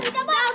lu kan bergarung